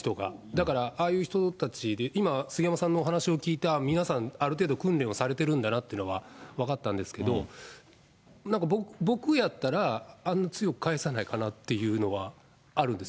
だからああいう人たち、今、杉山さんのお話を聞いて、皆さん、ある程度、訓練をされてるんだなっていうのは分かったんですけれども、なんか僕やったら、あんな強く返さないかなっていうのはあるんです。